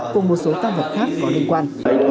cùng một số tăng vật khác có liên quan